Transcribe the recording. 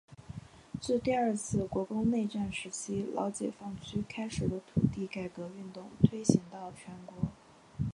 自第二次国共内战时期老解放区开始的土地改革运动推行到全国。